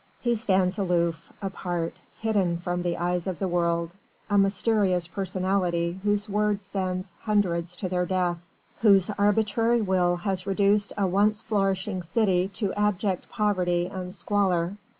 He stands aloof, apart, hidden from the eyes of the world, a mysterious personality whose word sends hundreds to their death, whose arbitrary will has reduced a once flourishing city to abject poverty and squalor.